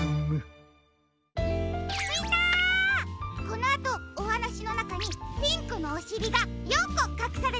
このあとおはなしのなかにピンクのおしりが４こかくされているよ。